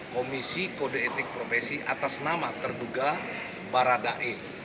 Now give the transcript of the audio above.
komisi kode etik profesi atas nama terduga barada e